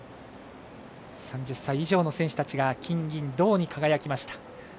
３０歳以上の選手たちが金、銀、銅に輝きました。